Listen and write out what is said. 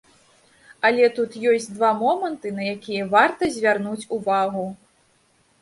Але тут ёсць два моманты, на якія варта звярнуць увагу.